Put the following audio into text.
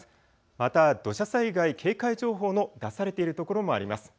また土砂災害警戒情報の出されている所もあります。